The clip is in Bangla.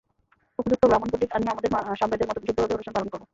উপযুক্ত ব্রাহ্মণপণ্ডিত আনিয়ে আমাদের সামবেদের মতে বিশুদ্ধভাবে অনুষ্ঠান পালন করব।